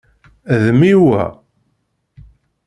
D mmi, wa.